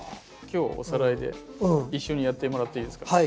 今日おさらいで一緒にやってもらっていいですか？